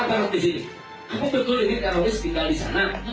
tidak ada persoalan